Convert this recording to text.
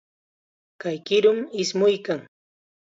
Kay qirum ismuykan.